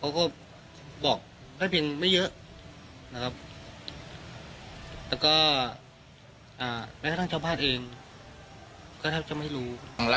เขาก็บอกไม่เดียวไม่เยอะนะครับก็มีให้ท่านเช่าภาพเองก็แทบจะไม่รู้